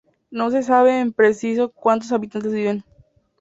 No se sabe en precisión cuantos habitantes viven.